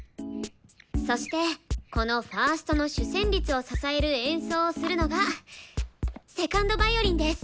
そしてこのファーストの主旋律を支える演奏をするのが２ｎｄヴァイオリンです。